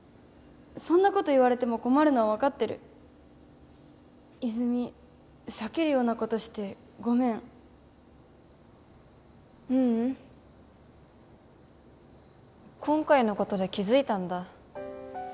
そんなこと言われても困るのは分かってる泉避けるようなことしてごめんううん今回のことで気づいたんだ